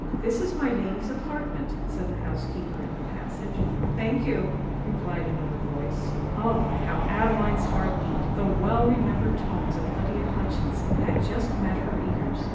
"This is my lady's apartment," said the housekeeper in the passage. "Thank you," replied another voice. Oh! how Adeline's heart beat,—the well remembered tones of Lydia Hutchinson had just met her ears.